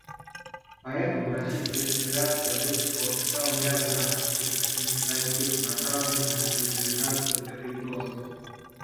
Поэтому Российская Федерация выступила с целым рядом практических инициатив, направленных на нейтрализацию этой угрозы.